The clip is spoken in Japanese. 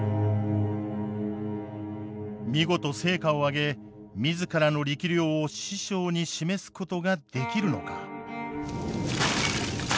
見事成果を上げ自らの力量を師匠に示すことができるのか。